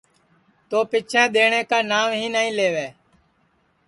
تو پیچھیں ڌينڻْيں کا ناو ہی نائی لَیووے